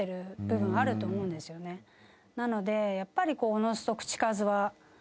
なのでやっぱり。